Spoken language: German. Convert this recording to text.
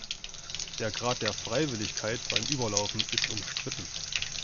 Der Grad der „Freiwilligkeit“ beim Überlaufen ist umstritten.